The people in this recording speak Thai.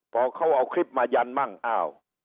พอเขาเอาคลิปมายันมั่งอ้าว